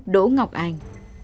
đỗ ngọc anh